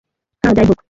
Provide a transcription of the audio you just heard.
হ্যাঁ, যাই হোক।